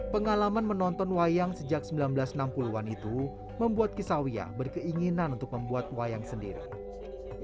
pengalaman menonton wayang sejak seribu sembilan ratus enam puluh an itu membuat kisawiyah berkeinginan untuk membuat wayang sendiri